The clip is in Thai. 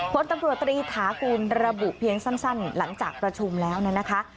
ผลตำรวจตรีถากูลระบุเพียงสั้นหลังจากประชุมแล้วเนี่ยนะคะ